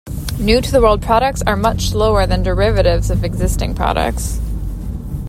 New-to-the-world products are much slower than derivatives of existing products.